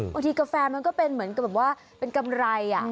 กาแฟมันก็เป็นเหมือนกับแบบว่าเป็นกำไร